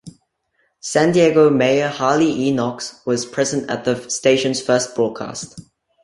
San Diego Mayor Harley E. Knox was present at the station's first broadcast.